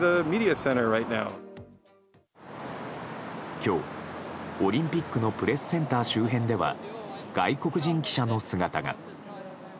今日、オリンピックのプレスセンター周辺では外国人記者の姿が。